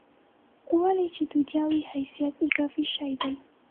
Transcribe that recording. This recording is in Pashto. ولې چې دنیا وي حیثیت اضافي شی دی.